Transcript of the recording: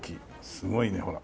すごいねほら。